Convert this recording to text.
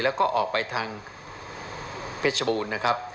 แล้วก็ออกไปทางเพชรบูรณ์นะครับ